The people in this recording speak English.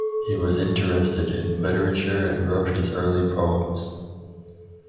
He was interested in literature and wrote his early poems.